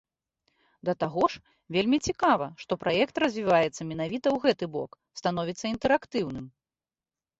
Да таго ж, вельмі цікава, што праект развіваецца менавіта ў гэты бок, становіцца інтэрактыўным.